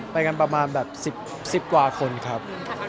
ไปกันประมาณแบบ๑๐กว่าคนครับ